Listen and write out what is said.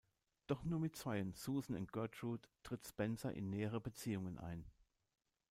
Doch nur mit zweien, Susan und Gertrude, tritt Spencer in nähere Beziehungen ein.